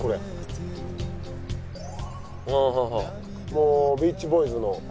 もう『ビーチボーイズ』の。